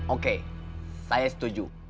oke saya setuju